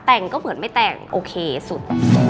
แต่งก็เหมือนไม่แต่งโอเคสุด